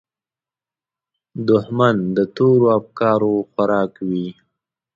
دښمن د تورو افکارو خوراک وي